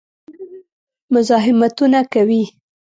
مزاحمتونه کوي.